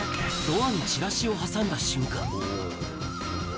ドアにチラシを挟んだ瞬間。